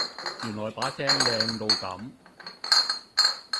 原来把聲靚到咁